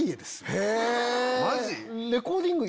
マジ？